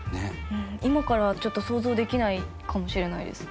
今からは、ちょっと想像できないかもしれないです。